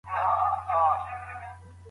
حنفي فقه په دې برخه کي روښانه ده.